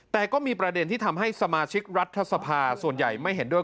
แต่ก็มีประเด็นที่ทำให้สมาชิกรัฐสภาส่วนใหญ่ไม่เห็นด้วย